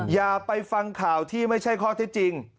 อย่าไปฟังข่าวที่ไม่ใช่ข้อเท็จจริง